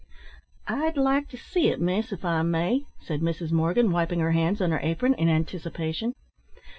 "I'd like to see it, miss, if I may," said Mrs. Morgan, wiping her hands on her apron in anticipation.